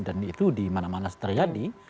dan itu dimana mana setelah jadi